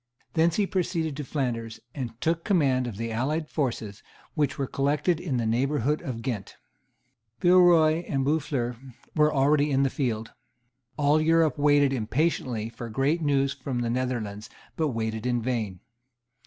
Thence he proceeded to Flanders, and took the command of the allied forces, which were collected in the neighbourhood of Ghent. Villeroy and Boufflers were already in the field. All Europe waited impatiently for great news from the Netherlands, but waited in vain.